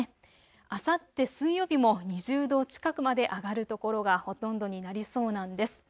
あさって水曜日も２０度近くまで上がる所がほとんどになりそうなんです。